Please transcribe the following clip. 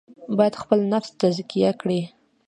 باید خپل نفس تزکیه کړي.